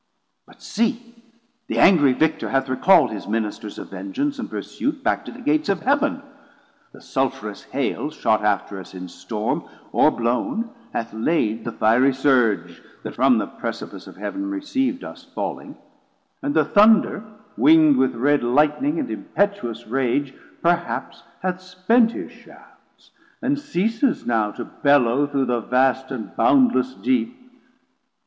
But see the angry Victor hath recall'd His Ministers of vengeance and pursuit 170 Back to the Gates of Heav'n: The Sulphurous Hail Shot after us in storm, oreblown hath laid The fiery Surge, that from the Precipice Of Heav'n receiv'd us falling, and the Thunder, Wing'd with red Lightning and impetuous rage, Perhaps hath spent his shafts, and ceases now To bellow through the vast and boundless Deep.